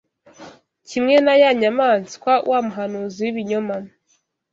kimwe naa ya nyamaswa, wa muhanuzi w’ibinyoma